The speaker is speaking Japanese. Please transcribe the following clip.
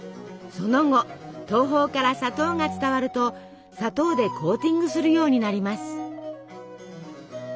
その後東方から砂糖が伝わると砂糖でコーティングするようになります。